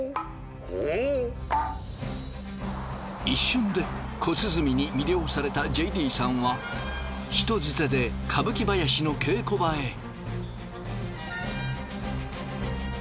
一瞬で小鼓に魅了されたＪＤさんは人づてで歌舞伎囃子の稽古場へ。